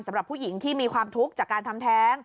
สำหรับผู้หญิงที่มีความทุกข์จากการทำแท้ง